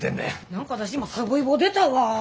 何か私今さぶいぼ出たわ。